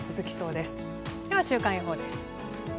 では、週間予報です。